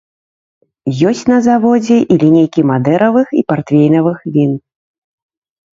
Ёсць на заводзе і лінейкі мадэравых і партвейнавых він.